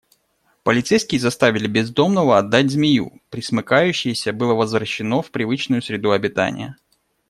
Полицейские заставили бездомного отдать змею, пресмыкающееся было возвращено в привычную среду обитания.